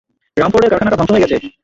রামফোর্ডের কারখানাটা ধ্বংস হয়ে গেছে!